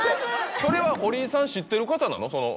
それは堀井さん知ってる方なの？